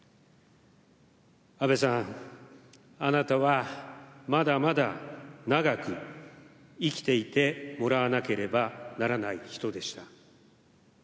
安倍さん、あなたは、まだまだ長く生きていてもらわなければならない人でした。